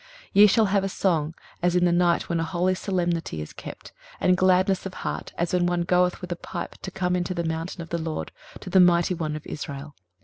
23:030:029 Ye shall have a song, as in the night when a holy solemnity is kept; and gladness of heart, as when one goeth with a pipe to come into the mountain of the LORD, to the mighty One of Israel.